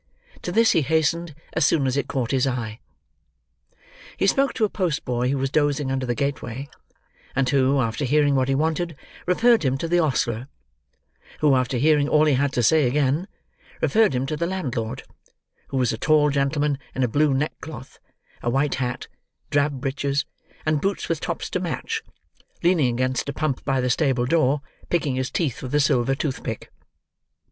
To this he hastened, as soon as it caught his eye. He spoke to a postboy who was dozing under the gateway; and who, after hearing what he wanted, referred him to the ostler; who after hearing all he had to say again, referred him to the landlord; who was a tall gentleman in a blue neckcloth, a white hat, drab breeches, and boots with tops to match, leaning against a pump by the stable door, picking his teeth with a silver toothpick.